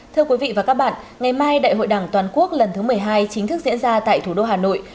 thưa quý vị và các bạn ngày mai đại hội đảng toàn quốc lần thứ một mươi hai chính thức diễn ra tại thủ đô hà nội